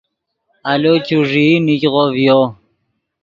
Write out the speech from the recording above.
آلو چوݱیئی نیگغو ڤیو